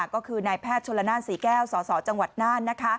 ก็คือนายแพทย์ชนละนานศรีแก้วสสจังหวัดน่าน